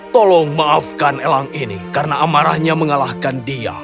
tolong maafkan elang ini karena amarahnya mengalahkan dia